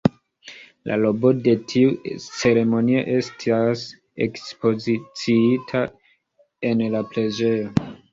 La robo de tiu ceremonio estas ekspoziciita en la preĝejo.